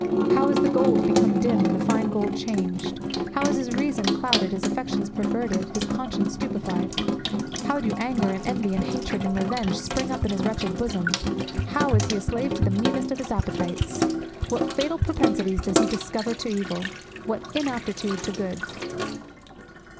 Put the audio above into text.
"How is the gold become dim, and the fine gold changed?" How is his reason clouded, his affections perverted; his conscience stupified! How do anger, and envy, and hatred, and revenge, spring up in his wretched bosom! How is he a slave to the meanest of his appetites! What fatal propensities does he discover to evil! What inaptitude to good!